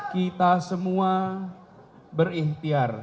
kita semua berikhtiar